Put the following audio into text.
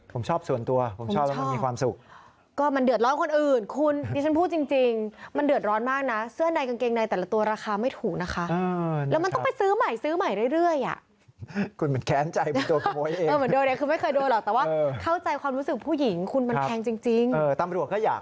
ผมชอบส่วนตัวผมชอบมันมีความสุข